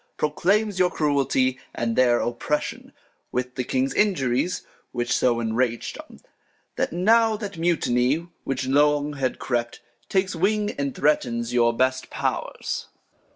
Proclaims your Cruelty, and their Oppression, With the King's Injuries ; which so enrag'd 'em. That now that Mutiny, which long had crept, Takes Wing, and threatens your best Pow'rs.